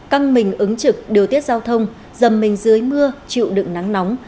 căng mình ứng trực điều tiết giao thông dầm mình dưới mưa chịu đựng nắng nóng